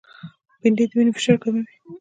بېنډۍ د وینې فشار کموي